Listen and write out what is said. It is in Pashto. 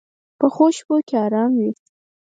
پخو شپو کې آرام وي